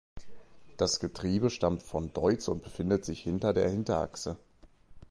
Das Getriebe stammt von Deutz und befindet sich hinter der Hinterachse.